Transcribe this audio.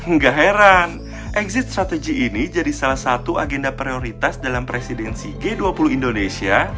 nggak heran exit strategy ini jadi salah satu agenda prioritas dalam presidensi g dua puluh indonesia